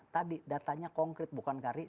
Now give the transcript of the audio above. tadi datanya konkret bukan kali